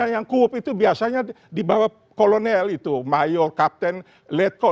yang kuob itu biasanya dibawa kolonel itu mayor kapten letko